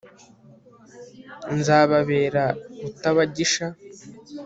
nzababera rutabagisha